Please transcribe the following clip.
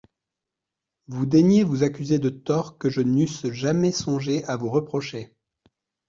Vous daignez vous accuser de torts que je n'eusse jamais songé à vous reprocher.